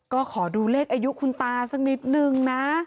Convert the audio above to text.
ก็ขอดูเลขอายุคุณตาสักนิดนึงนะ